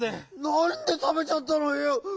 なんでたべちゃったのよ？